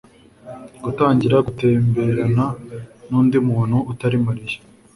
gutangira gutemberana nundi muntu utari Mariya